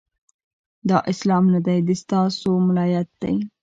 دا اسلام نه دی، د ستا سو ملایت دی